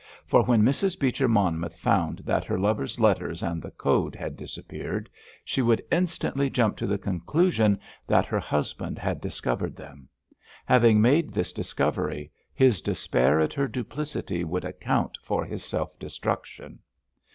For when Mrs. Beecher Monmouth found that her lover's letters and the code had disappeared she would instantly jump to the conclusion that her husband had discovered them. Having made this discovery, his despair at her duplicity would account for his self destruction.